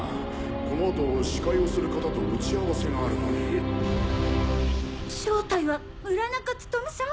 この後司会をする方と打ち合わせがあ正体は村中努さん